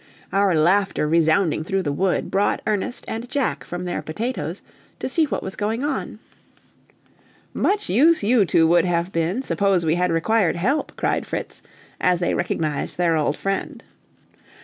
Our laughter resounding through the wood, brought Ernest and Jack from their potatoes, to see what was going on. "Much use you two would have been suppose we had required help," cried Fritz, as they recognized their old friend.